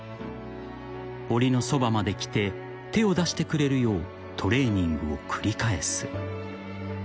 ［おりのそばまで来て手を出してくれるようトレーニングを繰り返す］